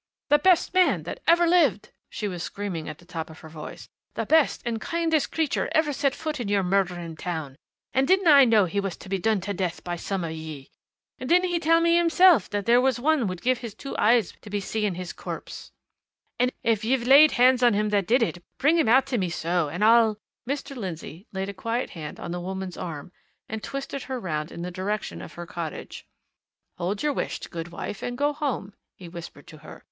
"The best man that ever lived!" she was screaming at the top of her voice. "The best and kindest creature ever set foot in your murdering town! And didn't I know he was to be done to death by some of ye? Didn't he tell me himself that there was one would give his two eyes to be seeing his corpse? And if ye've laid hands on him that did it, bring him out to me, so, and I'll " Mr. Lindsey laid a quiet hand on the woman's arm and twisted her round in the direction of her cottage. "Hold your wisht, good wife, and go home!" he whispered to her.